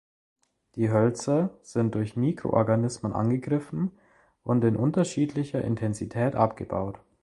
Die Hölzer sind durch Mikroorganismen angegriffen und in unterschiedlicher Intensität abgebaut.